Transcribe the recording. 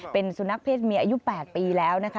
เป็นสุนัขเพศเมียอายุ๘ปีแล้วนะคะ